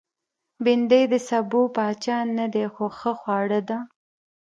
بېنډۍ د سابو پاچا نه ده، خو ښه خوړه ده